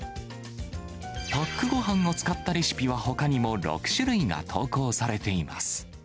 パックごはんを使ったレシピはほかにも６種類が投稿されています。